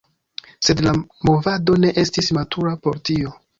Sed la movado ne estis matura por tio.